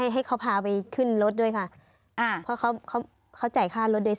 ให้เขาพาไปขึ้นรถด้วยค่ะเพราะเขาจ่ายค่ารถโดยสัตว์